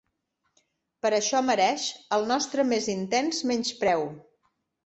Per això mereix el nostre més intens menyspreu.